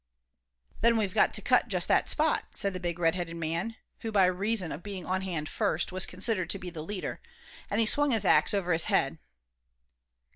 "Then we've got to cut just that spot," said the big red headed man, who, by reason of being on hand first, was considered to be the leader, and he swung his axe over his head.